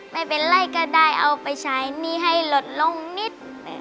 ไม่เป็นไรก็ได้เอาไปใช้หนี้ให้ลดลงนิด